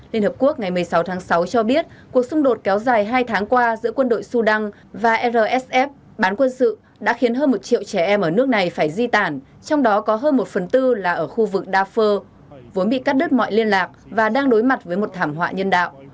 liên hợp quốc ngày một mươi sáu tháng sáu cho biết cuộc xung đột kéo dài hai tháng qua giữa quân đội sudan và rsf bán quân sự đã khiến hơn một triệu trẻ em ở nước này phải di tản trong đó có hơn một phần tư là ở khu vực dafor vốn bị cắt đứt mọi liên lạc và đang đối mặt với một thảm họa nhân đạo